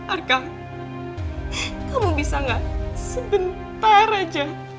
arka kamu bisa gak sebentar aja